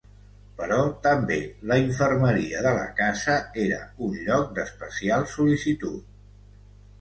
Però també la infermeria de la casa era un lloc d'especial sol·licitud.